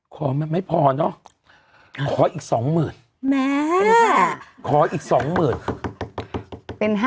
ขอไม่พอเนอะขออีกสองหมื่นแม่ขออีกสองหมื่นเป็นห้า